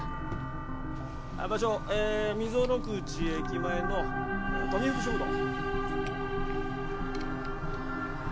場所えー溝の口駅前のトミフク食堂。